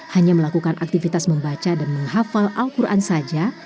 hanya melakukan aktivitas membaca dan menghafal al quran saja